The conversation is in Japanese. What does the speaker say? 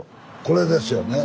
これですよね？